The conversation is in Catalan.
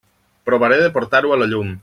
Provaré de portar-ho a la llum.